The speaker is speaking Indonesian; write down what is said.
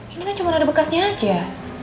ini kan cuma ada bekasnya aja